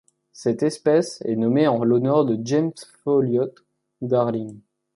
Cette espèce est nommée en l'honneur de James Ffolliott Darling.